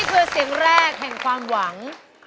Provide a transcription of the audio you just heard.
คือเสียงแรกแห่งความหวัง